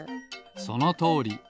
そのとおり。